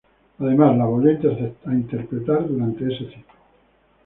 Además, la volvió a interpretar durante ese ciclo.